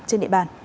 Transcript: trên địa bàn